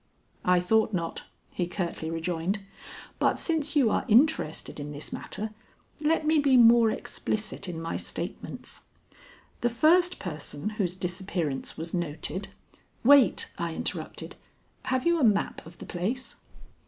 "I thought not," he curtly rejoined. "But since you are interested in this matter, let me be more explicit in my statements. The first person whose disappearance was noted " "Wait," I interrupted. "Have you a map of the place?"